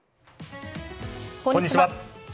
こんにちは。